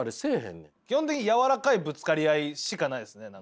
基本的に柔らかいぶつかり合いしかないですね。